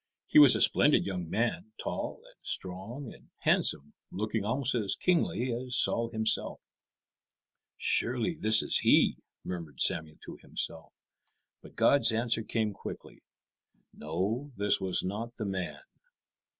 He was a splendid young man, tall and strong and handsome, looking almost as kingly as Saul himself. "Surely this is he," murmured Samuel to himself. But God's answer came quickly. No, this was not the man.